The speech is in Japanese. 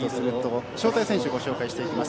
招待選手ご紹介していきます。